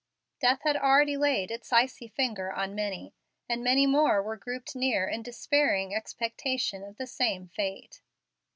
Death had already laid its icy finger on many, and many more were grouped near in despairing expectation of the same fate.